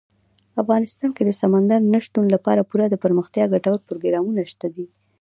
افغانستان کې د سمندر نه شتون لپاره پوره دپرمختیا ګټور پروګرامونه شته دي.